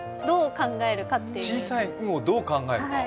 小さい「ん」をどう考えるかです。